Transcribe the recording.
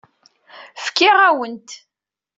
Fkiɣ-awen-t.